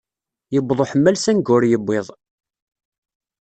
Yewweḍ uḥemmal sanga ur yewwiḍ.